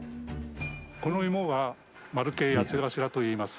この芋が丸系八つ頭といいます。